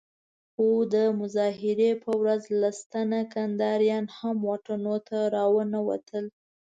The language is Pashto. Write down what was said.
خو د مظاهرې په ورځ لس تنه کنداريان هم واټونو ته راونه وتل.